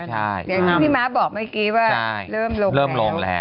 เดี๋ยวพี่ม้าบอกเมื่อกี้ว่าเริ่มลงแล้ว